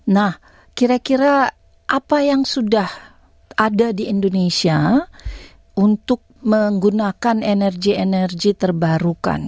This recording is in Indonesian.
nah kira kira apa yang sudah ada di indonesia untuk menggunakan energi energi terbarukan